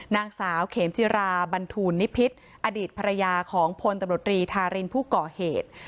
นางสาวเขมจิราบันทูลนิพิษอดีตภรรยาของพลตำรวจรีธารินผู้ก่อเหตุ